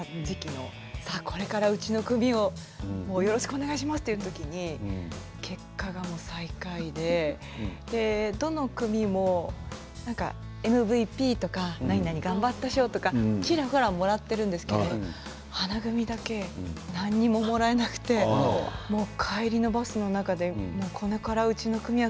大玉転がしとか綱引きとか、玉入れとか何せ私トップに就任した時期のこれからうちの組をよろしくお願いしますという時に結果が最下位でどの組もＭＶＰとか○○頑張った賞とかちらほらもらってるんですけど花組だけ何ももらえなくて帰りのバスの中でこれからうちの組は